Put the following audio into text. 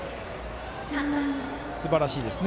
すばらしいですね。